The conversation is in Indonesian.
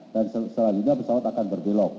dan setelah ini pesawat akan berbelok